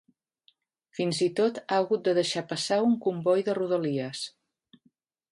Fins i tot, ha hagut de deixar passar un comboi de rodalies.